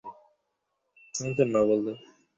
সকলের সঙ্গে মিশিবে, কাহারও সহিত বিরোধ আবশ্যক নাই।